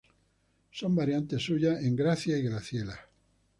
Son variantes suyas Engracia y Graciela.